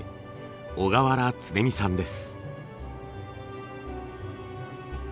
小河原常美さんです。